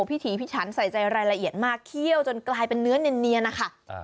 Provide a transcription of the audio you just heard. พี่ถีพิฉันใส่ใจรายละเอียดมากเคี่ยวจนกลายเป็นเนื้อเนียนนะคะ